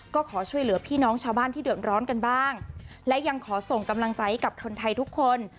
ก็ขอช่วยเหลือพี่น้องชาวบ้านที่เดือดร้อนกันบ้างและยังขอส่งกำลังใจให้กับคนไทยทุกคน